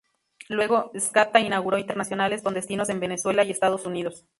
Luego Scadta inauguró internacionales con destinos en Venezuela y Estados Unidos.